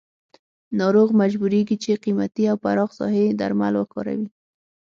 ناروغ مجبوریږي چې قیمتي او پراخ ساحې درمل وکاروي.